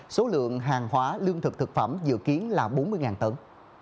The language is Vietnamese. số lượng hàng hóa lương thực thực phẩm dự kiến là bốn mươi tấn